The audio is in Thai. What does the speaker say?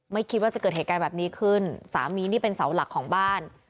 ไม่คิดว่าจะเกิดเหตุการณ์แบบนี้ขึ้นสามีนี่เป็นเสาหลักของบ้าน